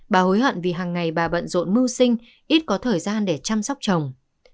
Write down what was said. bà hối hận vì hàng ngày bà bận rộn mưu sinh ít có thời gian để chăm sóc chồng